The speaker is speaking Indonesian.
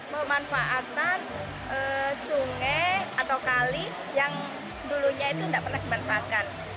pemanfaatan sungai atau kali yang dulunya itu tidak pernah dimanfaatkan